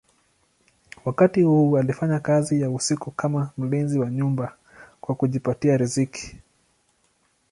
Wakati huu alifanya kazi ya usiku kama mlinzi wa nyumba kwa kujipatia riziki.